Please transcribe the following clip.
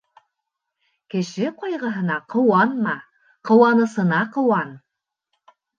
Кеше ҡайғыһына ҡыуанма, ҡыуанысына ҡыуан.